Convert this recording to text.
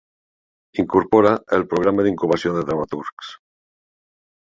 Incorpora el Programa d'Incubació de Dramaturgs.